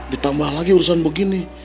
ditambah lagi urusan begini